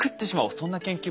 そんな研究もね